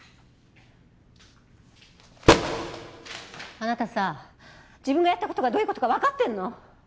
あなたさあ自分がやったことがどういうことかわかってんの？